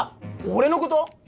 俺のこと！？